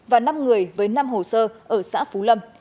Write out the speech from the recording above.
và năm người với năm hồ sơ ở xã phú lâm